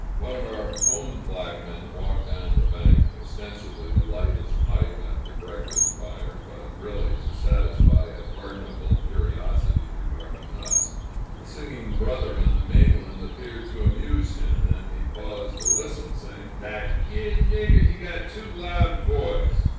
One of our own black men walked down the bank, ostensibly to light his pipe at the breakfast fire, but really to satisfy a pardonable curiosity regarding us. The singing brother on the mainland appeared to amuse him, and he paused to listen, saying, "Dat yere nigger, he got too loud voice!"